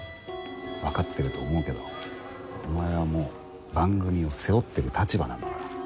わかってると思うけどお前はもう番組を背負ってる立場なんだから。